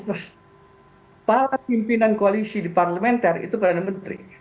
kepala pimpinan koalisi di parlementer itu perdana menteri